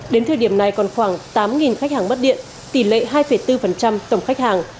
đến thời điểm này còn khoảng tám khách hàng mất điện tỷ lệ hai bốn tổng khách hàng